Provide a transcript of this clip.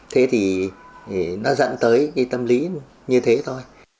thế thì nó dẫn tới cái tâm lý như thế thôi